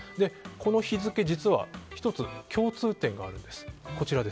この日付、実は１つ共通点があるんです。